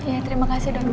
ya terima kasih dokter